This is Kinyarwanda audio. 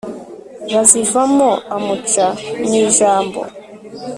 bazivamo amuca mu ijambo